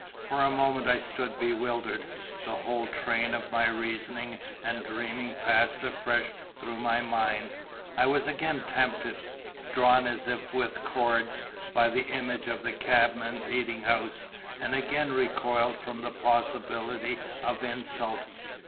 For a moment I stood bewildered: the whole train of my reasoning and dreaming passed afresh through my mind; I was again tempted, drawn as if with cords, by the image of the cabman's eating house, and again recoiled from the possibility of insult.